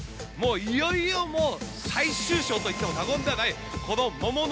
いよいよもう最終章といっても過言ではないこの桃の旅。